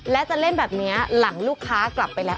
และจะเล่นแบบนี้หลังลูกค้ากลับไปแล้ว